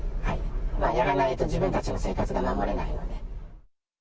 やらないと自分たちの生活が守れないので。